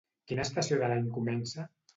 Quina estació de l'any comença?